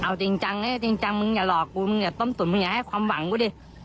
เอาจริงจังจริงจังมึงอย่าหลอกกูมึงอย่าต้มตุ๋นมึงอย่าให้ความหวังกูดิ